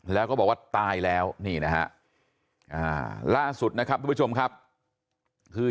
แล้วก็บอกว่าตายแล้วนี่นะฮะล่าสุดนะครับทุกผู้ชมครับคือ